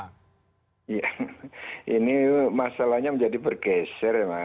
iya ini masalahnya menjadi bergeser ya mas